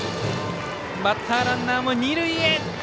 バッターランナーも二塁へ！